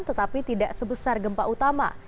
tetapi tidak sebesar gempa utama